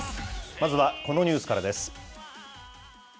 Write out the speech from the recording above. まずはこのニュースからです。